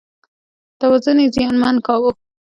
توازن یې زیانمن کاوه.